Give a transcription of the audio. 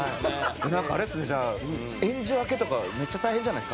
なんかあれですねじゃあ演じ分けとかめっちゃ大変じゃないですか？